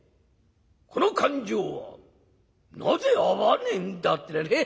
『この勘定はなぜ合わねえんだ』ってなね